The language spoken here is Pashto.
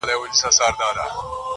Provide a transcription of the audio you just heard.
د هر چا آب پخپل لاس کي دئ.